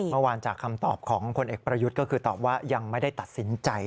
เมื่อวานจากคำตอบของพลเอกประยุทธ์ก็คือตอบว่ายังไม่ได้ตัดสินใจ